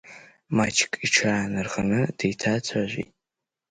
Маҷк иҽаанырханы деиҭаацәажәеит.